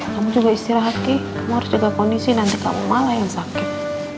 kamu juga istirahat sih kamu harus jaga kondisi nanti kamu malah yang sakit